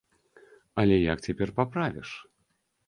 Але як цяпер паправіш?